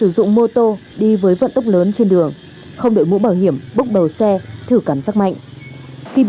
và mỗi người là bố là mẹ